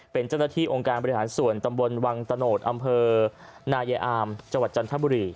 เป็นเจ้าหน้าที่องค์การบริหารส่วนตำบลวังตะโนธอำเภอนายายอามจังหวัดจันทบุรี